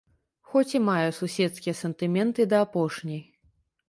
Хоць і маю суседскія сантыменты да апошняй.